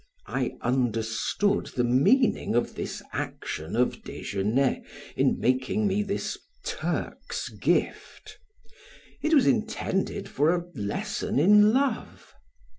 I understood the meaning of this action of Desgenais in making me this Turk's gift. It was intended for a lesson in love.